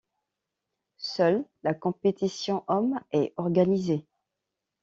Seule la compétition hommes est organisée.